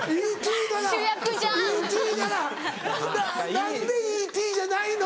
何でＥ．Ｔ．じゃないの！